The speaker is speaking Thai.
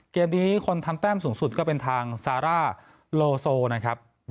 เกมนี้คนทำแต้มสูงสุดก็เป็นทางซาร่าโลโซนะครับ